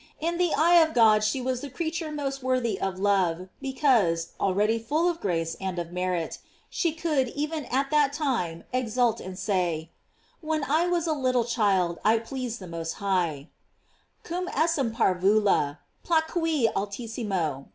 In the eye of God she was the creature most worthy of love, because, already full of grace and of merit, she could, even at that time, exult and say: When I was a little child I pleased the Most High: "Cum essem parvula, placui Altissimo."